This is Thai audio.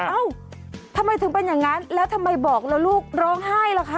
เอ้าทำไมถึงเป็นอย่างนั้นแล้วทำไมบอกแล้วลูกร้องไห้ล่ะคะ